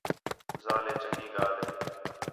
ذال ہے چنڳی ڳالھ ہے